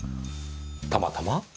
たまたま？